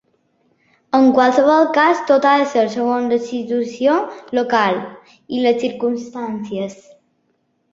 En qualsevol cas, tot ha de ser segons la situació local i les circumstàncies.